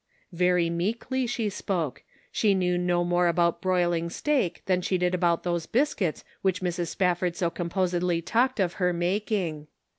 Very meekly she spoke ; she knew no more about broiling steak than she did about those biscuits which Mrs. Spafford so composedly talked of her making.